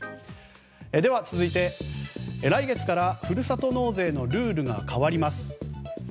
続いて、来月からふるさと納税のルールが変わります。